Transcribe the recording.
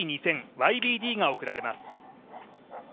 ＹＢＤが贈られます。